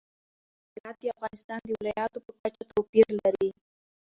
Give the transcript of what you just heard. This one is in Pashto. هرات د افغانستان د ولایاتو په کچه توپیر لري.